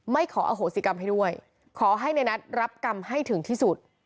ขออโหสิกรรมให้ด้วยขอให้ในนัทรับกรรมให้ถึงที่สุด